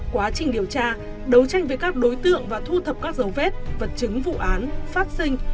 quá trình điều tra đấu tranh với các đối tượng và thu thập các dấu vết vật chứng vụ án phát sinh